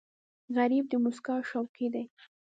غریب د موسکا شوقي دی